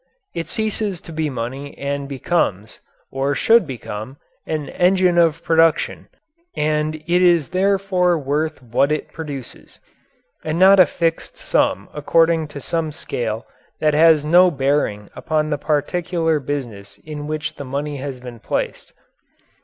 It ceases to be money and becomes, or should become, an engine of production, and it is therefore worth what it produces and not a fixed sum according to some scale that has no bearing upon the particular business in which the money has been placed.